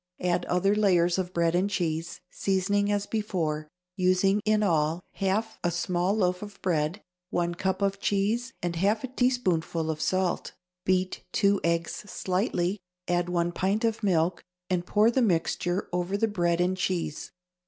Add other layers of bread and cheese, seasoning as before, using in all half a small loaf of bread, one cup of cheese and half a teaspoonful of salt. Beat two eggs slightly, add one pint of milk, and pour the mixture over the bread and cheese.